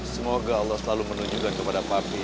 semoga allah selalu menunjukkan kepada pak pi